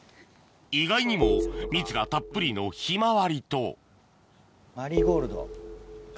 意外にも蜜がたっぷりのヒマワリとマリーゴールド。